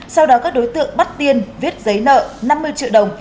sau đó các đối tượng bắt tiên viết giấy nợ năm mươi triệu đồng